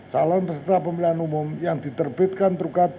calon peserta pemilu yang diterbitkan terukat